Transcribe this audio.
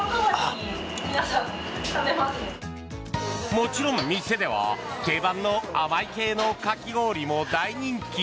もちろん店では定番の甘い系のかき氷も大人気。